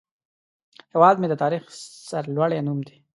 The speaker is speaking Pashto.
هیواد مې د تاریخ سرلوړی نوم دی